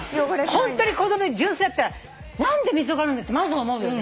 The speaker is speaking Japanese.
ホントに子供純粋だったら何で溝があるんだってまず思うよね。